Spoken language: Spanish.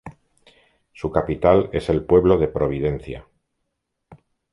Su capital es el pueblo de Providencia.